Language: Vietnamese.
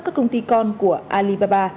các công ty con của alibaba